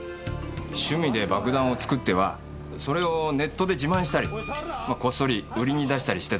趣味で爆弾を作ってはそれをネットで自慢したりこっそり売りに出したりしてたらしいんだな。